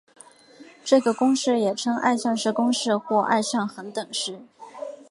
这个公式也称二项式公式或二项恒等式。